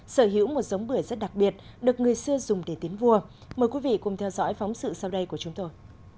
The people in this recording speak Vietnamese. sở hữu một giống bưởi rất đặc biệt được người xưa dùng để tín vua mời quý vị cùng theo dõi phóng sự sau đây của chúng tôi